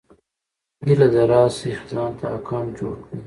هيله ده راشٸ ځانته اکونټ جوړ کړى